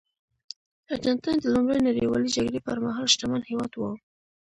ارجنټاین د لومړۍ نړیوالې جګړې پرمهال شتمن هېواد و.